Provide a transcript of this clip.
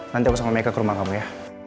nanti aku sama mereka ke rumah kamu ya